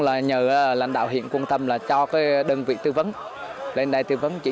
là nhờ lãnh đạo hiện quân tâm là cho cái